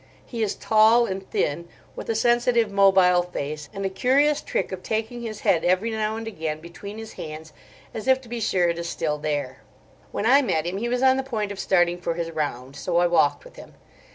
He is tall and thin, with a sensitive, mobile face, and a curious trick of taking his head every now and again between his hands, as if to be sure it is still there. When I met him he was on the point of starting for his round, so I walked with him.